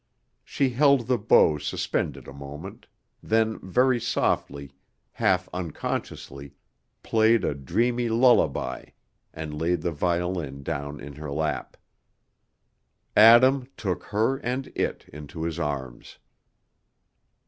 She held the bow suspended a moment, then very softly, half unconsciously, played a dreamy lullaby, and laid the violin down in her lap. Adam took her and it into his arms.